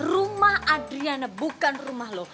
rumah adriana bukan rumah lo